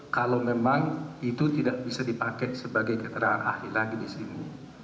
kalau memang itu tidak bisa dipakai sebagai keterangan ahli lagi di sini